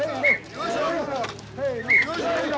よいしょ！